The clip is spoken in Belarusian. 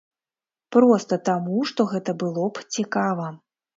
Проста таму, што гэта было б цікава.